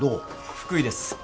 福井です